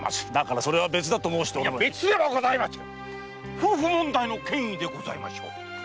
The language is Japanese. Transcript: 夫婦問題の権威でございましょう。